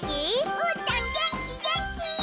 うーたんげんきげんき！